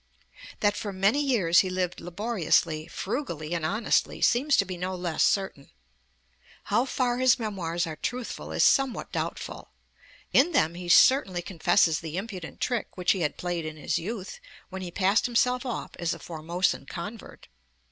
That for many years he lived laboriously, frugally, and honestly seems to be no less certain. How far his Memoirs are truthful is somewhat doubtful. In them he certainly confesses the impudent trick which he had played in his youth, when he passed himself off as a Formosan convert.